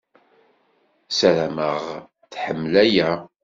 Ssaram-aɣ tḥemmel aya.